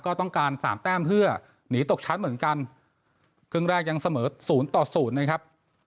ก็ต้องการสามแต้มเพื่อหนีตกชั้นเหมือนกันครึ่งแรกยังเสมอศูนย์ต่อศูนย์นะครับ